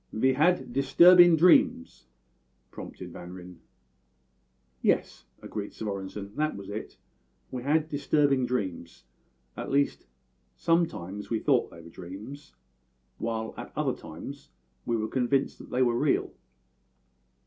"Ve had disturbin' dreams," prompted Van Ryn. "Yes," agreed Svorenssen, "that was it; we had disturbing dreams at least sometimes we thought they were dreams, while at other times we were convinced that they were real.